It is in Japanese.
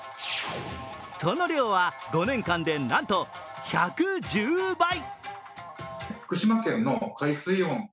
その量は５年間でなんと１１０倍。